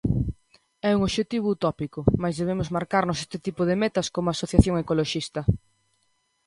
É un obxectivo utópico, mais debemos marcarnos este tipo de metas como asociación ecoloxista.